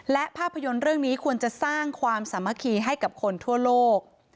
และภาพยนตร์เรื่องนี้ควรจะสร้างความสามัคคีให้กับคนทั่วโลก